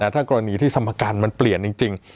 ถ้ากรณีที่สมการมันเปลี่ยนจริง